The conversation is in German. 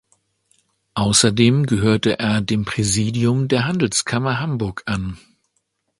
Außerdem gehörte er dem Präsidium der Handelskammer Hamburg an.